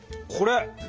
これ。